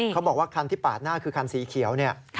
เขาบอกว่าคันที่ปาดหน้าคือคันสีเขียวเนี่ย